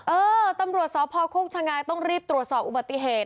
เออตำรวจสพโคกชะงายต้องรีบตรวจสอบอุบัติเหตุ